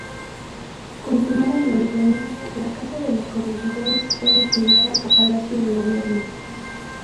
Consumada la Independencia, la Casa de los Corregidores fue destinada a Palacio de Gobierno.